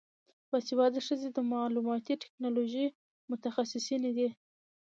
باسواده ښځې د معلوماتي ټیکنالوژۍ متخصصینې دي.